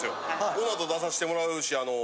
この後出させてもらうしあの。